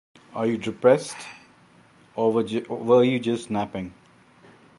Are you depressed or were you just napping?